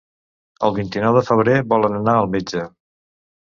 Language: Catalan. El vint-i-nou de febrer volen anar al metge.